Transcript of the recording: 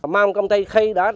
mang công ty khay đó